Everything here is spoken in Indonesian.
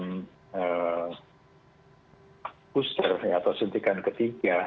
dan mencari penelitian booster atau suntikan ketiga